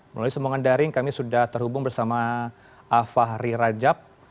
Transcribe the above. melalui semuanya dari kami sudah terhubung bersama afah rirajab